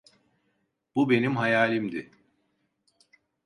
Bu benim hayalimdi.